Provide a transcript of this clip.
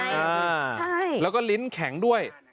ใช่แล้วก็ลิ้นแข็งด้วย